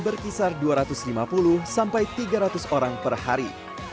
berkisar dua ratus lima puluh sampai tiga ratus orang per hari